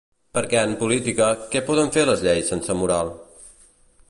Perquè en política, què poden fer les lleis sense moral?